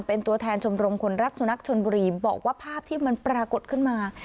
เป็นตัวแทนชมรมคนรักสุนัขชนบุรีบอกว่าภาพที่มันปรากฏขึ้นมา